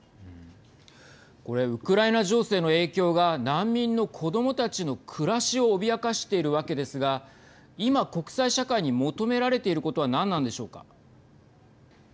これ、ウクライナ情勢の影響が難民の子どもたちの暮らしを脅かしているわけですが今、国際社会に求められていることは何なんでしょうか。